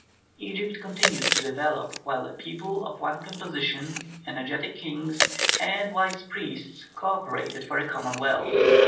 Egypt continued to develop while a people of one composition, energetic kings, and wise priests co operated for the common weal.